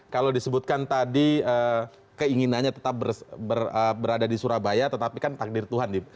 kalau disebutkan tadi keinginannya tetap berada di surabaya tetapi kan takdir tuhan